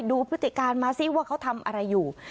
พฤติการมาซิว่าเขาทำอะไรอยู่